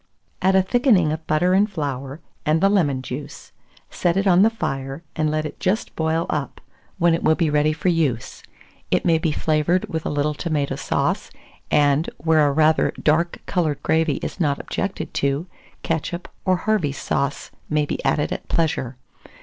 Add a thickening of butter and flour, and the lemon juice; set it on the fire, and let it just boil up, when it will be ready for use. It may be flavoured with a little tomato sauce, and, where a rather dark coloured gravy is not objected to, ketchup, or Harvey's sauce, may be added at pleasure.